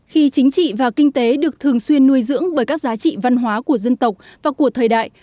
khi chính trị và kinh tế được thường xuyên nuôi dưỡng bởi các giá trị văn hóa của dân tộc và của thời đại